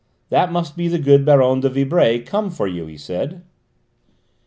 "That must be the good Baronne de Vibray come for you," he said.